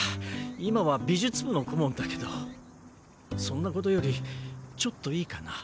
今は美術部の顧問だけどそんな事よりちょっといいかな？